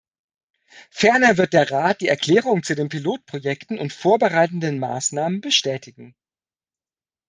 Ferner wird der Rat die Erklärung zu den Pilotprojekten und vorbereitenden Maßnahmen bestätigen.